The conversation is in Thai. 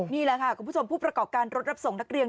นี่แหละค่ะคุณผู้ชมผู้ประกอบการรถรับส่งนักเรียน